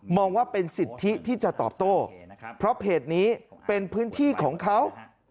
ว่าเป็นสิทธิที่จะตอบโต้เพราะเพจนี้เป็นพื้นที่ของเขา